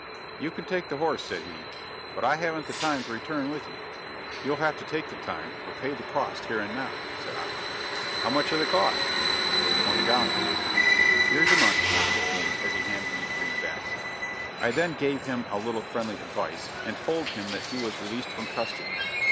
"You can take the horse," said he, "but I haven't the time to return with you." "You'll have to take the time, or pay the costs here and now," said I. "How much are the costs?" "Twenty dollars." "Here's your money," said he, as he handed me the greenbacks. I then gave him a little friendly advice, and told him that he was released from custody.